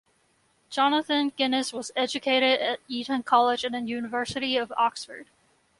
Jonathan Guinness was educated at Eton College and the University of Oxford.